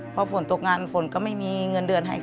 พอฝนตกงานฝนก็ไม่มีเงินเดือนให้